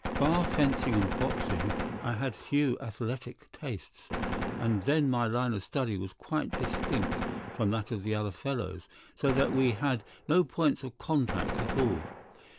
Bar fencing and boxing I had few athletic tastes, and then my line of study was quite distinct from that of the other fellows, so that we had no points of contact at all.